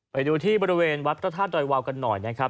ไปดูที่บริเวณวัดพระธาตุดอยวาวกันหน่อยนะครับ